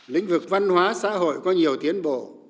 lĩnh vực văn hóa xã hội có nhiều tiến bộ